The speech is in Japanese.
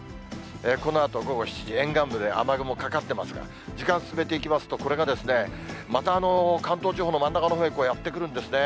このあと午後７時、沿岸部で雨雲かかってますが、時間進めていきますと、これがまた関東地方の真ん中のほうへやって来るんですね。